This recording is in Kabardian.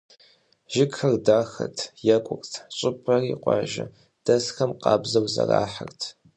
Жыгхэр дахэт, екӏут, щӏыпӏэри къуажэдэсхэм къабзэу зэрахьэрт.